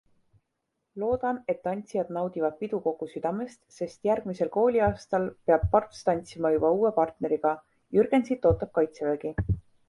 Loodan, et tantsijad naudivad pidu kogu südamest, sest järgmisel kooliaastal peab Parts tantsima juba uue partneriga, Jürgensit ootab kaitsevägi.